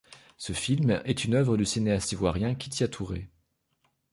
Ce film est une œuvre du cinéaste ivoirien Kitia Touré.